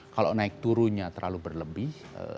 kalau naik turunnya terlalu berlebih